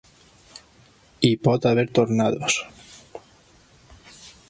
Hi pot haver tornados.